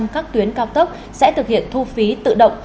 một trăm linh các tuyến cao tốc sẽ thực hiện thu phí tự động